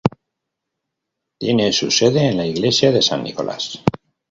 Tiene su sede en la iglesia de San Nicolás.